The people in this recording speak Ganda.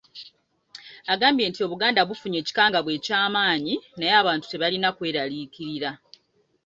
Agambye nti Obuganda bufunye ekikangabwa eky'amaanyi, naye abantu tebalina kweraliikirira.